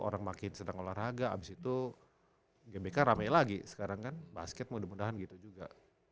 orang makin sedang olahraga abis itu gbk rame lagi sekarang kan basket mudah mudahan gitu juga